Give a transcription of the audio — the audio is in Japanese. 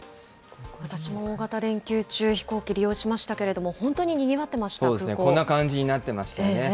私も大型連休中、飛行機利用しましたけれども、本当ににぎわそうですね、こんな感じになってましたね。